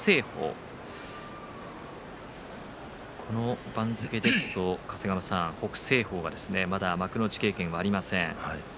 この番付ですと北青鵬がまだ幕内経験はありません。